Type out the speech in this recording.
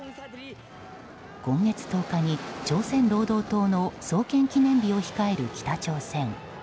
今月１０日に朝鮮労働党の創建記念日を控える北朝鮮。